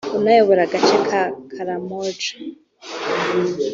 unayobora agace ka Karamoja